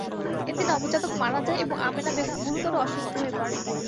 এতে নবজাতক মারা যায় এবং আমেনা বেগম গুরুতর অসুস্থ হয়ে পড়েন।